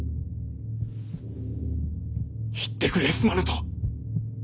言ってくれすまぬと。